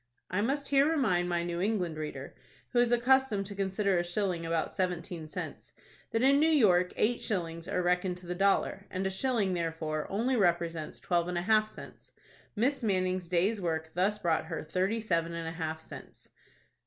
I must here remind my New England reader, who is accustomed to consider a shilling about seventeen cents, that in New York eight shillings are reckoned to the dollar, and a shilling, therefore, only represents twelve and a half cents; Miss Manning's day's work thus brought her thirty seven and a half cents.